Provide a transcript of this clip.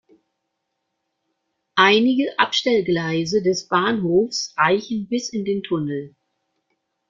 Einige Abstellgleise des Bahnhofes reichen bis in den Tunnel.